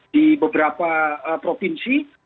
di beberapa provinsi